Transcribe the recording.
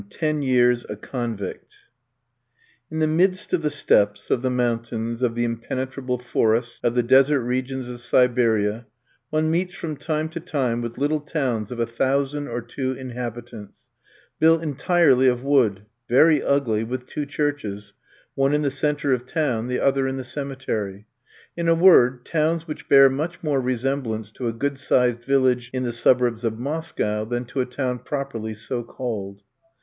TEN YEARS A CONVICT In the midst of the steppes, of the mountains, of the impenetrable forests of the desert regions of Siberia, one meets from time to time with little towns of a thousand or two inhabitants, built entirely of wood, very ugly, with two churches one in the centre of the town, the other in the cemetery in a word, towns which bear much more resemblance to a good sized village in the suburbs of Moscow than to a town properly so called.